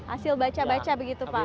hasil baca baca begitu pak